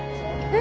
え？